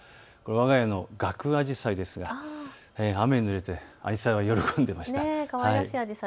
わが家のガクアジサイですが、雨にぬれてあじさいは喜んでいました。